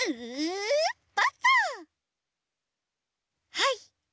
はい。